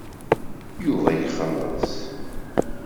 Yuba ixelleṣ.